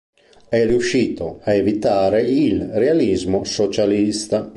È riuscito a evitare il realismo socialista.